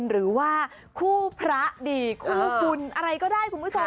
หรือว่าคู่พระดีคู่บุญอะไรก็ได้คุณผู้ชม